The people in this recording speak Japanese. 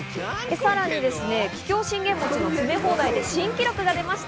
さらに桔梗信玄餅の詰め放題で新記録が出ました。